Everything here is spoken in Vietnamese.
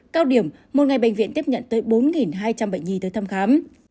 cao điểm một ngày bệnh viện tiếp nhận tới bốn hai trăm linh bệnh nhi tới thăm khám